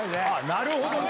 なるほどね。